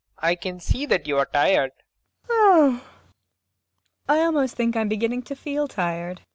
I can see that you are tired. MAIA. [Yawning.] I almost think I'm beginning to feel tired.